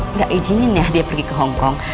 nggak izinin ya dia pergi ke hongkong